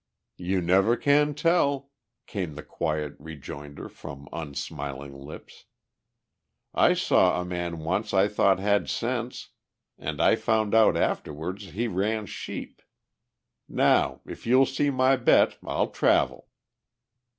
"You never can tell," came the quiet rejoinder from unsmiling lips. "I saw a man once I thought had sense and I found out afterwards he ran sheep. Now, if you'll see my bet I'll travel."